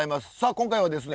今回はですね